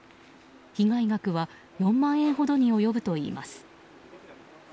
被害額は４万円ほどに及ぶといいます。